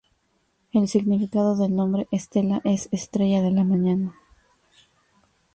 El significado del nombre Estela es "Estrella de la mañana".